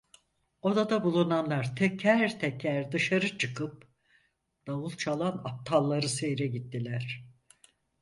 Odada bulunanlar teker teker dışarı çıkıp, davul çalan Aptalları seyre gittiler.